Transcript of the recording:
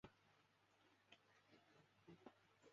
各大城市有国际知名的音乐中心。